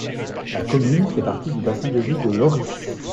La commune fait partie du bassin de vie de Lorris.